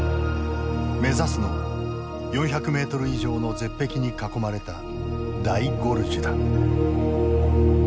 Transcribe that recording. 目指すのは４００ｍ以上の絶壁に囲まれた大ゴルジュだ。